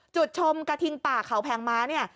จุดชมกระทิงป่าเขาแพงม้าเนี่ย